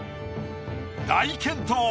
大健闘！